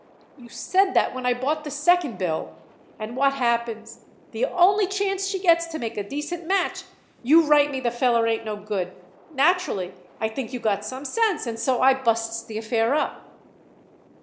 You said that when I bought the second bill. And what happens? The only chance she gets to make a decent match, you write me the feller ain't no good. Naturally, I think you got some sense, and so I busts the affair up."